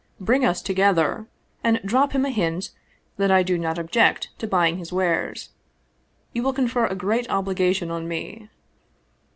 Bring us together and drop him a hint that I do not object to buying his wares. You will confer a great obligation on me."